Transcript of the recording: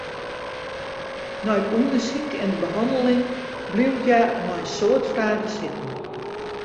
Nei it ûndersyk en de behanneling bliuwt hja mei in soad fragen sitten.